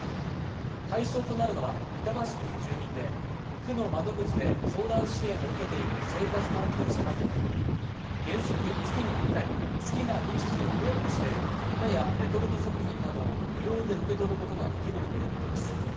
対象となるのは、板橋区の住民で、区の窓口で相談支援を受けている生活困窮者などで、原則、月に１回、好きな日時を予約して、米やレトルト食品などを無料で受け取ることができるということです。